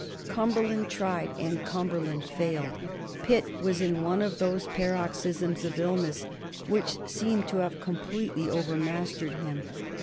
Cumberland tried and Cumberland failed. Pitt was in one of those paroxysms of illness which seem to have completely overmastered him.